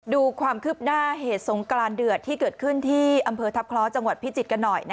ดูความคืบหน้าเหตุสงกรานเดือดที่เกิดขึ้นที่อำเภอทัพคล้อจังหวัดพิจิตรกันหน่อย